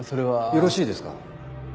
よろしいですか？